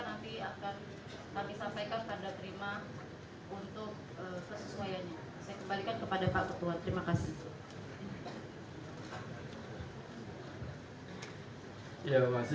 nanti akan sampai sampaikan tanda terima